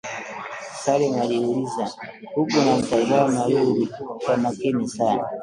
Salma aliuliza huku anamtazama Lulu kwa makini sana